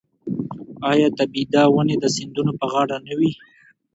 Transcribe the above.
آیا د بید ونې د سیندونو په غاړه نه وي؟